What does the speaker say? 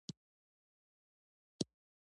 لمسی دزوی زوی